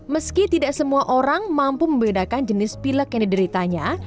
meski tidak semua orang mampu membedakan jenis pilek yang dideritanya